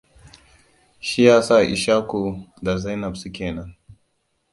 Shi ya sa Ishaku da Zainab suke nan.